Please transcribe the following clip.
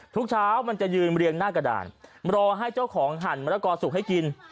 ทุกเช้ามันจะยืนเรียงหน้ากระดานรอให้เจ้าของหั่นมะละกอสุกให้กิน